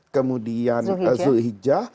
kemudian zul hijah